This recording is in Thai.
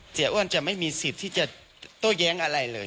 อ้วนจะไม่มีสิทธิ์ที่จะโต้แย้งอะไรเลย